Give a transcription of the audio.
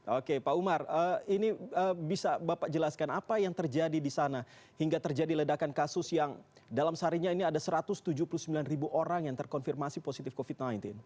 oke pak umar ini bisa bapak jelaskan apa yang terjadi di sana hingga terjadi ledakan kasus yang dalam seharinya ini ada satu ratus tujuh puluh sembilan ribu orang yang terkonfirmasi positif covid sembilan belas